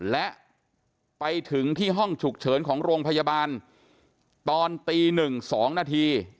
และไปถึงที่ห้องฉุกเฉินของโรงพยาบาลตอนตี๑๒นาที